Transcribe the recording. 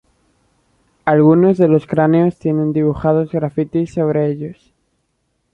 Algunos de los cráneos tienen dibujados grafitis sobre ellos.